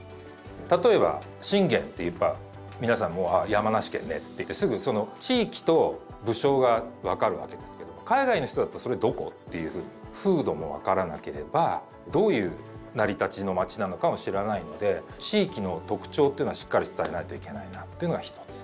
例えば信玄っていえば皆さんもうあ山梨県ねって言ってすぐその地域と武将が分かるわけですけれども海外の人だったら「それどこ？」っていうふうに風土も分からなければどういう成り立ちの町なのかも知らないので地域の特徴というのはしっかり伝えないといけないなというのが一つ。